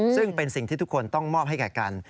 ซึ่งเป็นสิ่งที่ทุกคนต้องมอบให้แก่กัน